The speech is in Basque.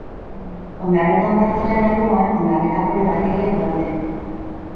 Ondarreta hondartzaren alboan Ondarretako lorategiak daude.